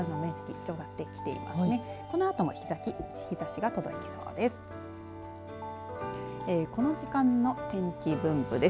このあとも日ざしが、届きそうです。